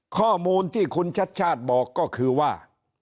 ข้อมูลที่คุณชัดชาติบอกก็คือว่า